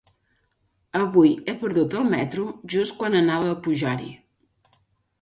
Avui he perdut el metro just quan anava a pujar-hi.